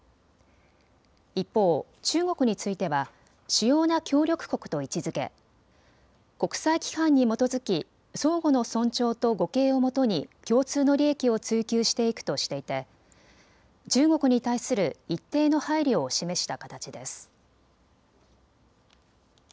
一方、中国については主要な協力国と位置づけ国際規範に基づき相互の尊重と互恵をもとに共通の利益を追求していくとしていて中国に対する一定の配慮を示した形です。